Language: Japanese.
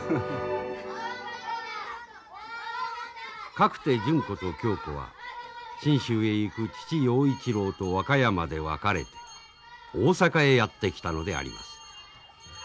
かくて純子と恭子は信州へ行く父陽一郎と和歌山で別れて大阪へやって来たのであります。